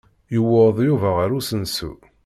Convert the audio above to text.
Yuweḍ Yuba ɣer usensu.